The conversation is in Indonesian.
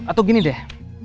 atau gini deh